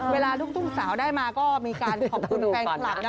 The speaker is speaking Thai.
ลูกทุ่งสาวได้มาก็มีการขอบคุณแฟนคลับนะ